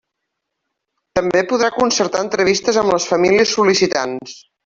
També podrà concertar entrevistes amb les famílies sol·licitants.